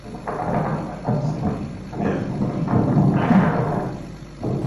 Upande wa kusini ina tabia ya kuwa na joto kali zaidi